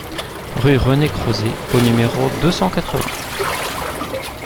Rue René Crozet au numéro deux cent quatre-vingts